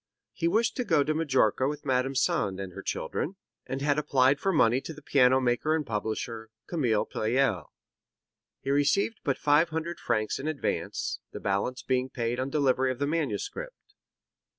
He wished to go to Majorca with Madame Sand and her children, and had applied for money to the piano maker and publisher, Camille Pleyel. He received but five hundred francs in advance, the balance being paid on delivery of the manuscript.